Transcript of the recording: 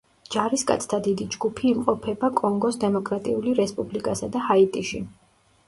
ჯარისკაცთა დიდი ჯგუფი იმყოფება კონგოს დემოკრატიული რესპუბლიკასა და ჰაიტიში.